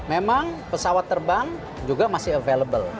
memang pesawat terbang juga masih available